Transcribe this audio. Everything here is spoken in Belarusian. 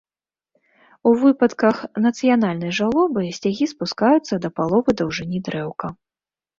У выпадках нацыянальнай жалобы сцягі спускаюцца да паловы даўжыні дрэўка.